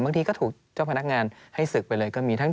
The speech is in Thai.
ที่ก็ถูกเจ้าพนักงานให้ศึกไปเลยก็มีทั้ง